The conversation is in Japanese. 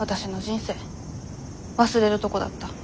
忘れるとこだった。